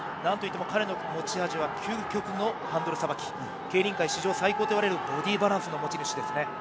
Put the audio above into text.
彼の持ち味は究極のハンドルさばき、競輪界史上最強といわれるボディバランスの持ち主です。